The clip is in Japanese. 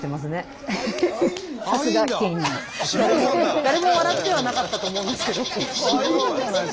誰も笑ってはなかったと思うんですけど。